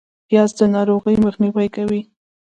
پیاز د ناروغیو مخنیوی کوي